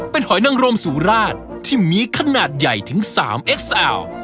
เป็นหอยนังรมสุราชที่มีขนาดใหญ่ถึง๓เอ็กซาว